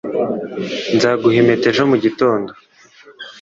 Nzaguha impeta ejo mugitondo.